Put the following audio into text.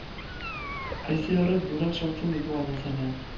Haize horrek dunak sortzen ditu gainazalean.